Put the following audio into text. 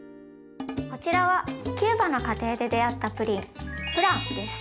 こちらはキューバの家庭で出会ったプリンフランです。